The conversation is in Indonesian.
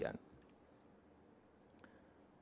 ini ya menyebabkan ketidakpastian